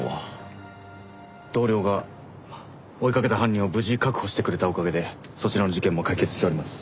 同僚が追いかけた犯人を無事確保してくれたおかげでそちらの事件も解決しております。